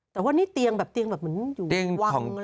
แต่ว่านี่เตียงแบบเตียงแบบเหมือนอยู่วัง